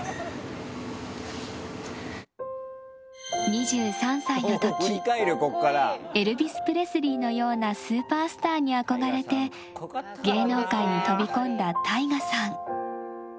２３歳の時エルヴィス・プレスリーのようなスーパースターに憧れて芸能界に飛び込んだＴＡＩＧＡさん。